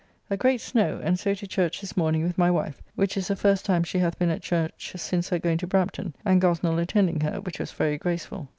A great snow, and so to church this morning with my wife, which is the first time she hath been at church since her going to Brampton, and Gosnell attending her, which was very gracefull.